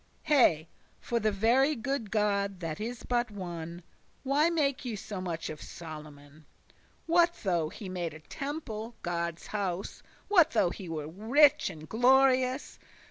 * *man nor woman* Hey, for the very God that is but one, Why make ye so much of Solomon? What though he made a temple, Godde's house? What though he were rich and glorious?